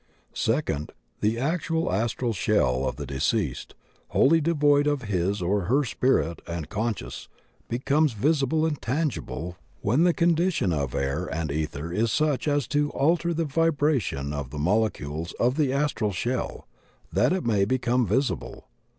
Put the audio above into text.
Second, the actual astral shell of the deceased — wholly devoid of his or her spirit and conscience — becomes visible and tangible when the condition of air and ether is such as to so alter the vibration of the mole cules of the astral shell that it may become visible.